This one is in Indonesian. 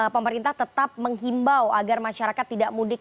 pemerintah tetap menghimbau agar masyarakat tidak mudik